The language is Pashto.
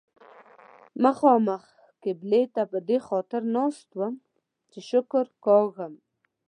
مخامخ قبلې ته په دې خاطر ناست وم چې شکر کاږم.